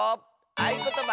「あいことば」。